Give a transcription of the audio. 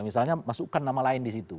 misalnya masukkan nama lain di situ